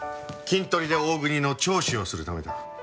キントリで大國の聴取をするためだ。